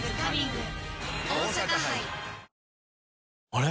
あれ？